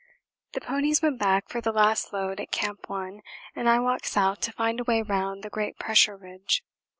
The ponies went back for the last load at Camp 1, and I walked south to find a way round the great pressure ridge.